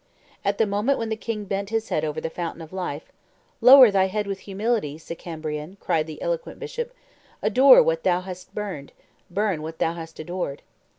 ... At the moment when the king bent his head over the fountain of life, 'Lower thy head with humility, Sicambrian,' cried the eloquent bishop; 'adore what thou hast burned: burn what thou hast adored.